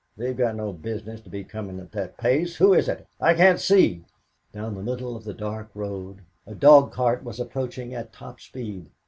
They've no business to be coming at that pace. Who is it? I can't see." Down the middle of the dark road a dog cart was approaching at top speed.